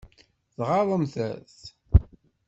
Tɣaḍemt-t?